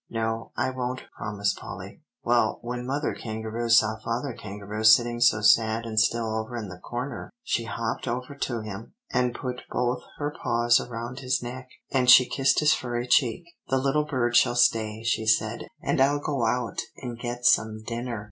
"No, I won't," promised Polly. "Well, when Mother Kangaroo saw Father Kangaroo sitting so sad and still over in the corner, she hopped over to him, and put both her paws around his neck, and she kissed his furry cheek, 'The little bird shall stay,' she said, 'and I'll go out and get some dinner.